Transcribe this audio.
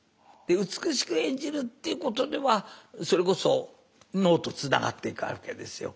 美しく演じるっていうことではそれこそ能とつながっていくわけですよ。